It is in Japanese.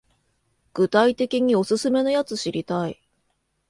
具体的にオススメのやつ知りたい